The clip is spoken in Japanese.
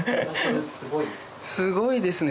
すごいですね